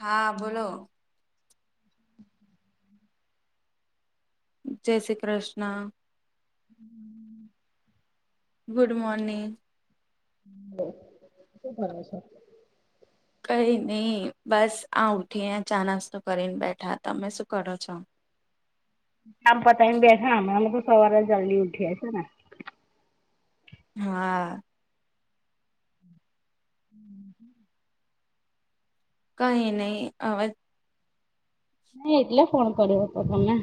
હા બોલો. જય શ્રી કૃષ્ણ. હમ્મ. Good morning. [unintelligible] શું કરે છે? કઈ નહી બસ આ ઊઠીને ચા નાસ્તો કરીને બેઠા. તમે શું કરો છો? કામ પતાવીને બેઠા અમે તો સવારે જલ્દી ઉઠીએ છે ને. હા. હમ કઈ નહી હવે ની એટલે ફોન કરો છો તમે?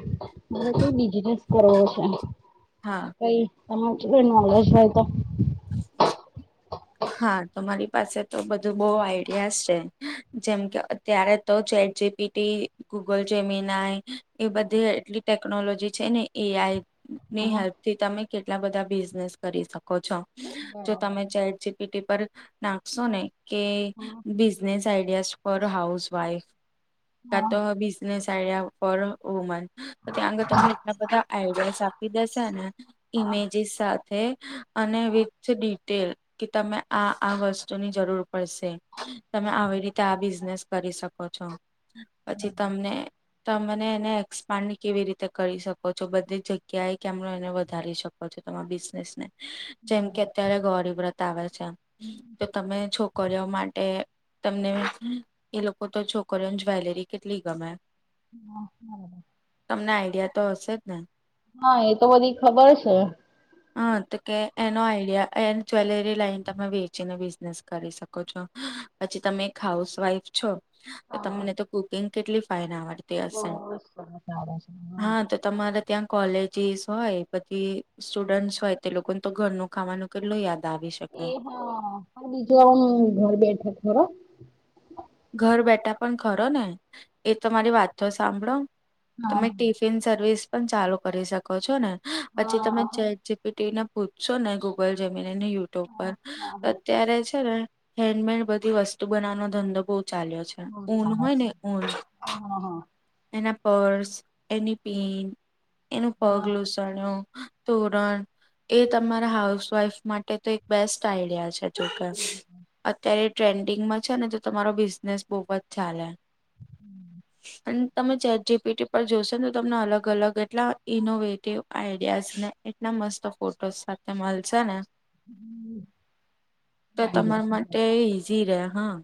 મારે તો બિઝનેસ કરવો છે. હા કઈ [unintelligible] મહેેશભાઈ તો હા તમારી પાસે તો બધું બહુ આઈડિયા છે. જેમ કે અત્યારે તો જેટ જી પી ટી ગૂગલ જેમીનાય એ બધી એટલી ટેકનોલોજી છે ને એ આઈ ની હા હેલ્પથી તમે કેટલા બધા બિઝનેસ કરી શકો છો. જો બરાબર. તમે ચટ પી ટી પર નાખશો ને કે હા business ideas for house wife. કા તો બિઝનેસ આઈડિયા ફોર વુમન. તો ત્યાં આગે તમને એટલા બધા આઈડિયાસ આપી દેશે ને ઈમેજીસ સાથ થે અને વિથ ડિટેલ કે તમે આ આ વસ્તુની જરૂર પડશે. તમે આવી રીતે આ બિઝનેસ કરી શકો છો. પછી તમને તમને એને એક્સપાન્ડ કેવી રીતે કરી શકો છો? બધી જગ્યાએ કેમનો એને વધારી શકો? પછી તમાર બીઝનેસ ને જેમ કે અત્યારે ગોરી વ્રત આવે છે તો તમે છોકરી ઓ માટે તમને એ લોકો તો છોકરીઓ જ્વેલરી કેટલી ગમે. હા હા. તમને આઈડિયા તો હશે જ ને? હા એ તો બધી ખબર છે. હા તો કે એનો આઈડિયા એ જ્વેલરી લાઈન તમે વેચીને બિઝનેસ કરી શકો છો. પછી તમે એક હાઉસવાઈફ છો તો હા તમને તો કુકિંગ કેટલી ફાઇન આવડતી હશે. હા હા ખ તો તમારે ત્યાં કોલેજીસ હોય પછી. સ્ટુડન્ટ હોય તે લોકોને તો ઘરનું ખાવાનું કેટલું યાદ આવીશ. એ હા હ બીજું હ ઘર બ એઠ હા. ઘર બેઠા પણ ખરો ને એ તમારી વાતો સાંભળો હા. તમે ટીફ સ્ન સર્વિસ પણ ચાલુ કરી શકો છો ને પછી હા તમે હા પીટીને પૂછશો ને ગૂગલ જમીનેને યુટ્યુબ પર હા હા. અત્યારે છે ને હેન્ડમેડ બધી વસ્તુ બનાવાનો ધંધો બહુ ચાલ્યો બહુ ઊન ચાલે છે. હોયને ઉન હા હા હા. એના પર્સ એની પેન એનું હા પગ્લુ તોરણ એ તમારા હાઉસ વાઈફ માટે તો એક બેસ્ટ આઈડિયા છે. ચોક્કસ અત્યારે ટ્રેન્ડિંગમાં છે ને તો તમારો બિઝનેસ બહ જ ચાલે. હમ્મ. અને તમે જેટ જીપીટી પર જોશો ને તો તમને અલગ અલગ એટલા ઇનોવેટિવ આઈડિયાઝ ને એટલા મસ્ત ફોટોસ સાથે મળશો ને તો આવી તમારા જાશે. માટે ઈઝી રે હા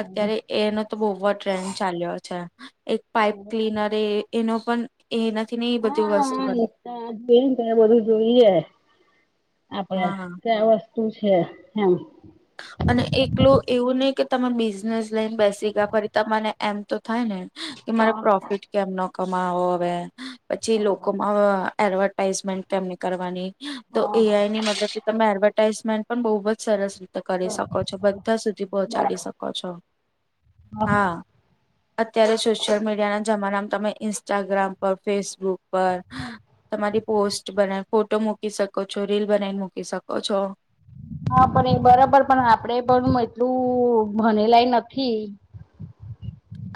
અત્યારે એનો તો બહુ ટ્રેન્ડ ચાલ્યો છે એક પાઈપ ક્લીનર એ એનો પણ એનાથી ન બધું વસ્તુ બન હ બેને ત બધું જોઈએ આપડે હા ત્યાં વતુ તું છે એમ. અને એકલું એવું નહ કે તમાર બિઝનેસ લઈને બેસી ગયા ફરી તમાને એમ તો થાય ને. કે મારે હા પ્રોફિટ કેમનો કમાવો હવે પછી લોકોમાં એડવર્ટાઈઝમેન્ટ એને કરવાની તો હા એઆઈ હા ની મતલબ એડવર્ટાાઈઝમેન્ટ પણ બહુ જ સરસ ર હત કરી શકો છો બધા સુધી પહોંચાડી બરાબર શકો છો હા. અત્યારે સોશિયલ મીડિયા ના જમાનામાં તમે ઇન્સ્ટાગ્રામ પર ફેસબુક પર તમારી પોસ્ટ બનાવી ફોટો મૂકી શકો છો રીલ બનાવીને મૂકી શકો છો. હા પણ એ બરાબર પણ આપડે પણ એટલું ભનેલાય નથી.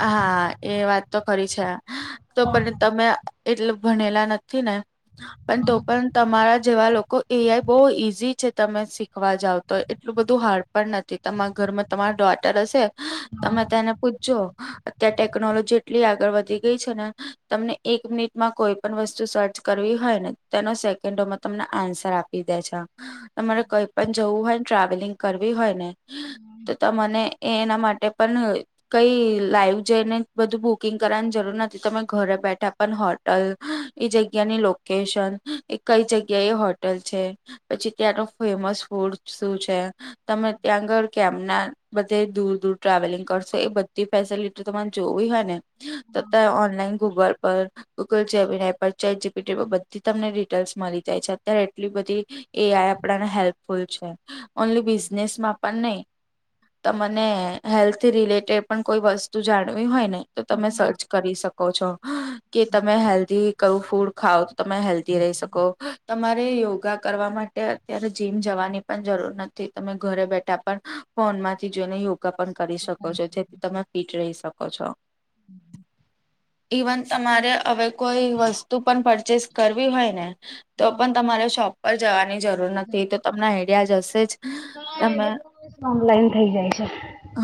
હા એ વાત તો ખરી છે તો પણ તમે એટલે ભણેલા નથી ને પણ તો પણ તમારા જેવા લો એ આઈ બહુ ઈઝી છે તમે શીખવા જાવ તો એટલું બધું હાર્ડ પણ નથી તમારા ઘરમાં તમારો ડોટર હશે તમે તેને પૂછજો અત્યારે ટેકનોલોજી એટલી આગળ વધી ગઈ છે ને તમને એક મિનિટમાં કોઈ વસ્તુ સર્ચ કરવી હોય ને તેનો સેકન્ડોમાં તમને આન્સર આપી દે છે. તમારે કઈ પણ જવું હોય ને ટ્રાવેલિંગ કરવી હોય ને તો તને એના માટે પણ કઈ લાઈવ જઈને બધું બુકિંગ કરવાની જરૂર નથી તમે ઘરે બેઠા પણ હોટલ એ જગ્યાની લો કેશન એ કઈ જગ્યા એ હોટેલ છે. પછી ત્યાંનો ફેમસ ફૂડ શું છે? તમે ત્યાં આગળ કેમના બધે દૂર દૂર ટ્રાવેલિંગ કરશો એ બધી ફેસિલિટી તમારે જોવી હોય ને તો ઓનલાઈન ગુગલ પર ગૂગલ છે એપલ છે જીપીટી બધી તમને ડિટેલ્સ મળી જાય છે અત્યારે એટલી બધી એ આઈ આપણાને હેલ્પફુલ છે ઓનલી બિઝનેસમાં પણ નહી. તો મને હેલ્થ રિલેટેડ પણ કોઈ વસ્તુ જાણવી હોય ને તો તમે સર્ચ કરી શકો છો. કે તમે હેલ્ધી કયું ફૂડ ખાઓ તો તમે હેલ્ધ રહી શકો તમારે યોગા કરવા માટે અત્યારે જીમ જવાની પણ જરૂર નથી તમે ઘરે બેઠા પણ ફોન માંથી જોઈને યોગ યોગા પણ કરી શકો છો જેથી તમે ફિટ રહી શકો છો. ઈવન તમારે હવે કોઈ વસ્તુ પણ પરચેસ કરવી હોય ને તો પણ તમારે શોપ પર જવાની જરૂર નથી તો તમને આઈડિયા જ હશે જ હા એ તમે તો ઓનલાઈન થઈ જાય છે.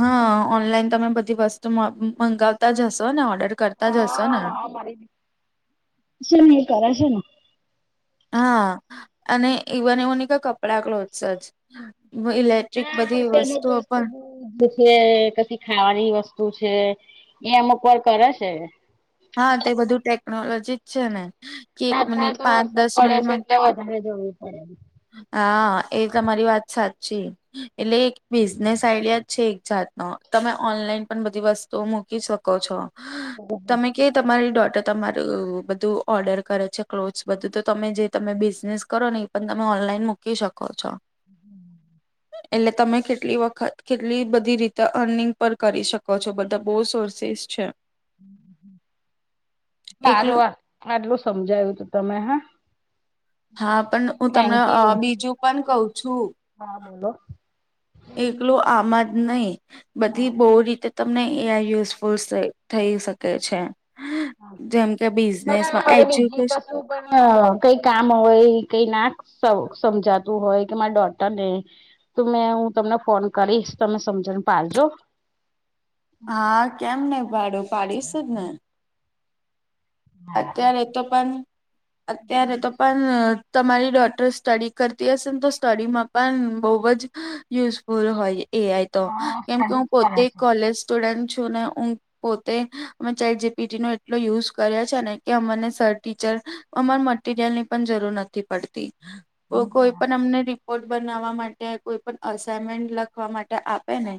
હઅ ઓનલાઈન તમે બધી વસ્તુ મં-મંગાવતા જશો ને ઓર્ડર કરતા જ હશો ને હા હા મારી શું એ કરે શે ને હા અને ઇવન એવું ની કે કપડા ક્લોથસ જ ઇલેક્ટ્રિક હા બધી વસ્તુઓ પણ [unintelligible] છે કછી ખાવાની વસ્તુ છે એ અમુક વાર કર છે. હા તે બધું ટેકનોલોજી જ છે ને કે એક અતાર મિનિટ તો પાંચ વરસાદ દસ પડે છે મિનિટમાં એટલે વધારે જોવી પડે હા એ તમારી વાત સાચી એટલે એક બિઝનેસ આઈડિયા જ છે એક જાતનો તમે ઓનલાઈન પણ બધી વસ્તુઓ મૂકી શકો છો. તમે કે તમારી ડોટર તમારું બધું ઓર્ડર કરે છે ક્લોથ્સ બધું તો તમે જે તમે બિઝનેસ કરો ને એ બધ તમે ઓનલાઈન મૂકી શકો છો. હમ્મ. એટલે તમે કેટલી વખત કેટલી બધી રીતે અર્નિંગ પર કરી શકો છો બધા બહુ સોર્સીસ છે. સારું એકલું આ આટલું સમજાયું તું તમે હ હા પણ હું તમને અ યુ બીજું પણ કઉ છું. હા બોલો એકલો આમાં જ નહી બધી બહુ રીતે તમને એ આ યુઝફુલ સઈ થઈ શકે છે. જેમ કે બિઝનેસમાં એજ્યુકેશ આપન કઈ કામ હોય કઈ નાખ સવ સમજાતું હોય કે મારા ડોટર ને તો મેં હું તમને ફોન કરીશ તમે સમજણ પાડજો હા કેમ ને પાડું પાડીશ જ ને. અત્યારે તો પન, અત્યારે તો પન તમારી ડોટર સ્ટડી કરતી હશે ને, તો સ્ટડીમાં પણ બહુ જ યુઝફુલ હોએ એ. આઈ. તો હા કેમ કે સ્ટડી હું પોતે જ કોલેજ ટુડન્ટ છું ને હુ પોતે અમે ચેટ જીપીટી નો એટલો યુઝ કર્યા છે ને કે અમને સર ટીચર અમાર મટરિયલ ની પણ જરૂર નથી પડતી. ઓ કોઈ પણ અમને રિપોર્ટ બનાવવા માટે, કોઈ પણ અસાઈનમેન્ટ લખવા માટે આપે ને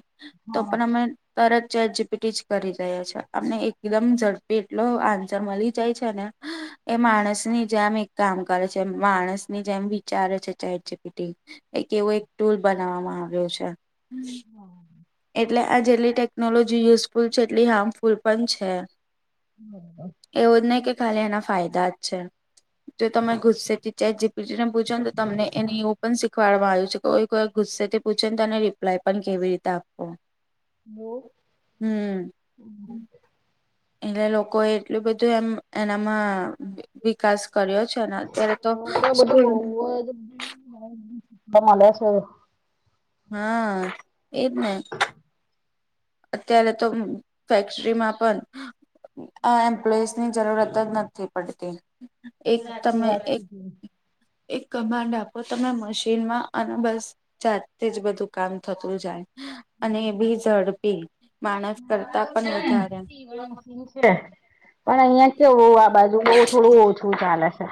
તો પણ અમે તરત ચેટ જીપીટી જ કરી રહ્યા છે અમને એકદમ ઝડપી એટલો આન્ સર મલી જાય છે ને એ માણસ ની જેમ એક કામ કરે છે માણસની જેમ વિચારે છે ચેટ જીપીટી. એક એવો એક ટૂલ બનાવામાં આવ્યો છે. એટલે આ જેટલી ટેકનોલોજી યુઝફુલ છે, એટલી હાર્મફુલ પણ છે. [unintelligible] એવું જ નહી કે ખાલી એના ફાયદા જ છે. જો તમે ગુસ્સે ચેટ જીપીટી ને પૂછો ને તો, તમને એની એવું પણ શીખવાડમાં આવ્યું છે કોઈ કોઈક ગુસ્સેથી પૂછે ને, તેને રિપ્લાય પણ કેવી રીતે આપ ઓ હમ્મ એને લોકો એ એવું બધું એમ એનામાં વિકાસ કર્યો છે અત્યારે તો સ્કૂલ ફોનમા લે છે. હ એજ ને. અત્યારે તો ફેક્ટરીમાં પણ આ એમ્પ્લોઈઝ ની જરૂરત જ નથી પડતી. એક તમે એક એક કમાન્ડ આપો તમે, મશીનમાં અને બસ. જાતેતે જ બધું કામ થતું જાય. અને એ બી ઝડ. માણસ મારું કરતા પણ છે ને ઉધરણ. સીવન પણ અહિયાં કેવ આ બાજુ બ થોડું ઓછું ચાલે છે.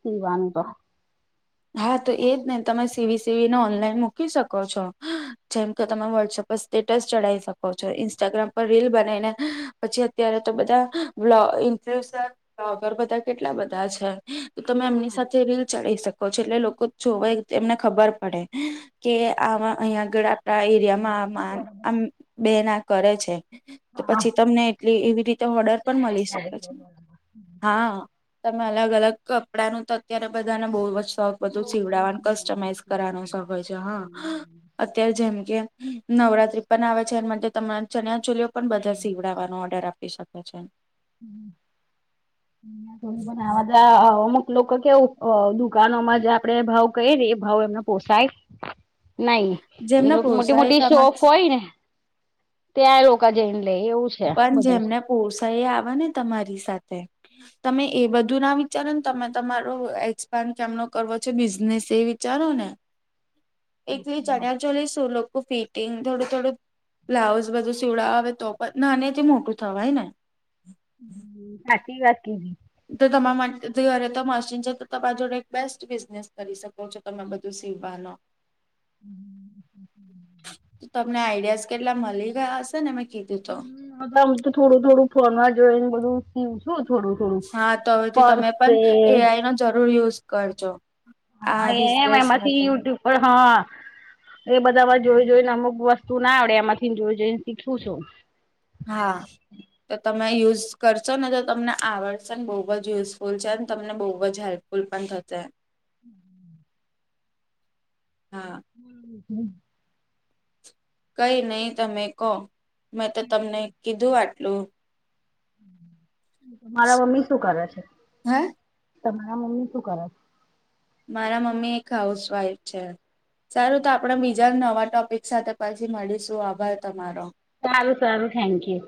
સીવાનું તો. હા! તો એજ નઈ તમે સીવી સીવીને ઓનલાઈન મૂકી શકો છો. જેમ કે તમે વોટ્સઅપ પર સ્ટેટસ ચઢાવી શકો છો. ઇન્સ્ટાગ્રામ પર રીલ બનાવીને. પછી અત્યારે તો બધા ઈન્ફ્લુએન્સર બ્લોગર બધા કેટલા બધા છે. તો તમે એમની સાથે રીલ ચઢી શકો છો. એટલે લોકો જોવાય એમને ખબર પડે. કે આ અહીયા આગળ આપડા એરિયામાં. આમ બેના કરે છે. તો પછી તમને એટલી એવી રીતે ઓર્ડર. પણ મળી શકે છે. હા તમે અલગ અલગ કપડાં નું તો અત્યારે બધાને બહુજ શ બધું સીવડાવાનું, કસ્ટમાઈઝ કરવાનો શખ હોય છે હા. અત્યારે જેમ કે નવરાત્રી પણ આવે છે. એ માટે તમારા ચણ્યા ચોલીઓ પણ બધા સીવડાવવાનો ઓર્ડર આપી શકે છે. હ અ થોડી પણ આવા. અમુક લોકો કેવું દુકાનોમાં જે આપડે ભાવ કહીએ ને એ ભાવ એમને પોસાય. [inaudible] નહીં. એ જેમને લોકો મોટી પોસાય મોટી તમારે શોપ હોય ને. ત્યાં લોકો જઈને લે એવું. છે પણ બધું જેમને પોસાઈ આવે ને તમારી સાથે. તમે એ બધું ના વિચારો ને. તમે તમારો એક્સપાન્ડ કેમનો કરવો છે બિઝનેસ એ. વિચારો ને એકલી ચણ્યા ચોલી શું લોકો ફિટિંગ થોડું થોડું બ્લાઉઝ બધું સીડ આવે તો પણ. નાનેથી મોટું થવાય ને. હ સાચી વાત કીધી તો તમા માટે ઘરે તો મશીન છે તો તમા જોડે એક બેસ્ટ બિઝનેસ કરી શકો છો તમે બધું સીવા નો ત- તમને આઈડિયાસ કેટલા મળી ગયા હશે ને મેં કીધું તો આમ તો થોડું થોડું ફોન માં જોઈ ને બધું શું થોડું થોડું હા પર્સે રિવ્યૂઝ કરજો હા આ એમ બિઝનેસ માટે એમાંથી યુટ્યુબ પર હા એ બધામાં જોઈ જોઈ ને અમુક વસ્તુ ના આવડે એમાંથીને જોઈ જોઈ ને શીખું છું હા તો તમે યુઝ કરશો ને તો તમને આવડશે ને બહુ જ યુઝફુલ છે તમને બહુ જ હેલ્પ ફૂલ પણ થશે [inaudible] હા હમ કઈ નહી તમે કો મેં તો તમને કીધું આટલું તમારા મમ્મી શું કરે છે હે તમારા મમ્મી શું કરે છે મારા મમ્મી એક હાઉસવાઈફ છે સારું તો આપણે બીજા નવા ટોપિક સાથે પછી મળીશું આભાર તમારો સારું હા સારું થેન્ક યુ